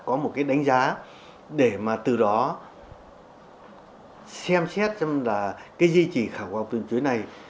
có một đánh giá để từ đó xem xét di chỉ khảo cổ học di chỉ vườn chuối này